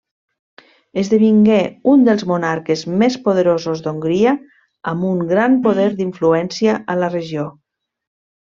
Esdevingué un dels monarques més poderosos d'Hongria, amb un gran poder d'influència a la regió.